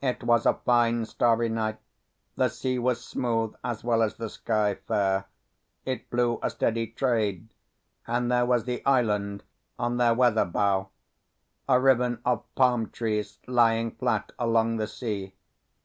It was a fine starry night, the sea was smooth as well as the sky fair; it blew a steady trade; and there was the island on their weather bow, a ribbon of palm trees lying flat along the sea.